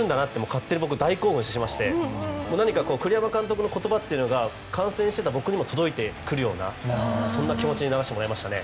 勝手に僕、大興奮しまして栗山監督の言葉というのが観戦していた僕にも届いてくるようなそんな気持ちにならせてもらいましたね。